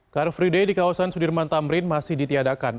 car free day di kawasan sudirman tamrin masih ditiadakan